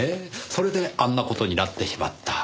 それであんな事になってしまった。